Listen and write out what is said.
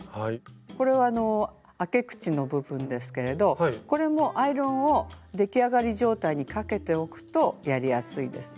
これはあけ口の部分ですけれどこれもアイロンを出来上がり状態にかけておくとやりやすいですね。